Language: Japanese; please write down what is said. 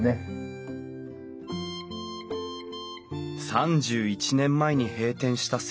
３１年前に閉店した銭湯。